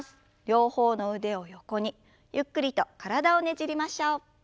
両方の腕を横にゆっくりと体をねじりましょう。